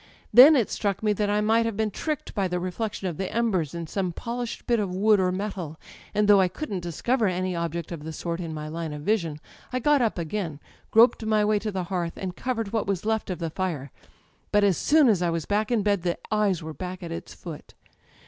Then it struck me that I might have been tricked by the reflection of the embers in some polished bit of wood or metal; and though I couldn't discover any object of the sort in my line of vision, I got up again, groped my way to the hearth, and covered what was left of the fire. But as soon as I was back in bed the eyes were back at its foot.